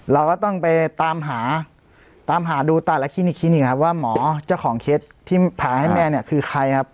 เราก็ต้องไปตามหาตามหาดูแต่ละคลินิกคลินิกครับว่าหมอเจ้าของเคสที่ผ่าให้แม่เนี่ยคือใครครับ